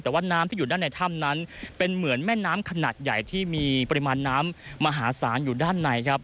แต่ว่าน้ำที่อยู่ด้านในถ้ำนั้นเป็นเหมือนแม่น้ำขนาดใหญ่ที่มีปริมาณน้ำมหาศาลอยู่ด้านในครับ